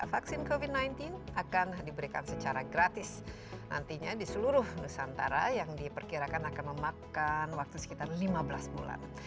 vaksin covid sembilan belas akan diberikan secara gratis nantinya di seluruh nusantara yang diperkirakan akan memakan waktu sekitar lima belas bulan